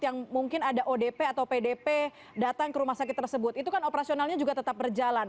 yang mungkin ada odp atau pdp datang ke rumah sakit tersebut itu kan operasionalnya juga tetap berjalan